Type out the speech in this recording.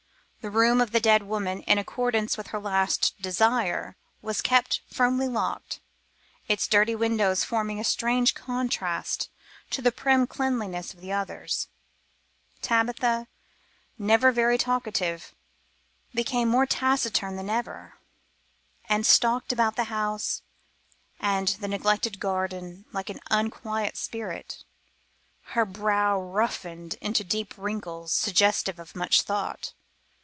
The room of the dead woman, in accordance with her last desire, was kept firmly locked, its dirty windows forming a strange contrast to the prim cleanliness of the others. Tabitha, never very talkative, became more taciturn than ever, and stalked about the house and the neglected garden like an unquiet spirit, her brow roughened into the deep wrinkles suggestive of much thought.